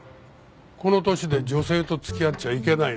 この年で女性と付き合っちゃいけないの？